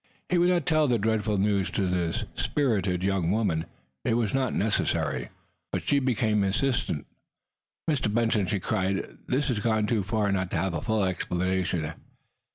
He would not tell the dreadful news to this spirited young woman. It was not necessary. But she became insistent "Mr. Benson," she cried, "this has gone too far not to have a full explanation.